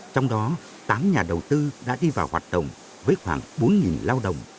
trong đó tám nhà đầu tư đã đi vào hoạt động với khoảng bốn lao động